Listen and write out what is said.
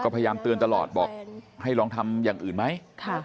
พยายามเตือนตลอดบอกให้ลองทำอย่างอื่นไหม